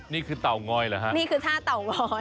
นี่คือเต่างอยหรอครับ